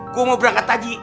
gua mau berangkat haji